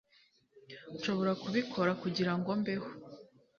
Nshobora kubikora kugirango mbeho